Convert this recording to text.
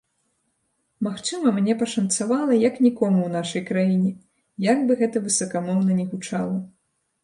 Магчыма, мне пашанцавала, як нікому ў нашай краіне, як бы гэта высакамоўна не гучала.